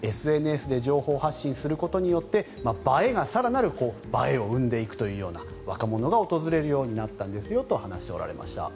ＳＮＳで情報発信することによって映えが更なる映えを生んでいくというような若者が訪れるようになったんですよと話しておられました。